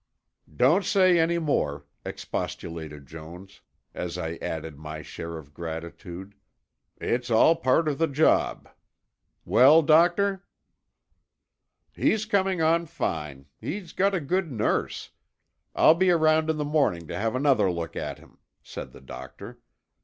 "Don't say any more," expostulated Jones, as I added my share of gratitude. "It's all part of the job. Well, doctor?" "He's coming on fine. He's got a good nurse. I'll be around in the morning to have another look at him," said the doctor.